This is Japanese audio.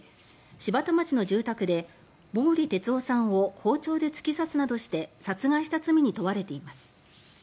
柴田町の住宅で毛利哲雄さんを包丁で突き刺すなどして殺害した罪に問われています。